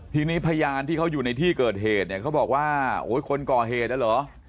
ทีนี้พยานที่เขาอยู่ในที่เกิดเหตุเนี่ยเขาบอกว่าโอ้ยคนก่อเหตุน่ะเหรอ